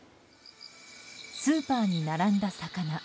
スーパーに並んだ魚。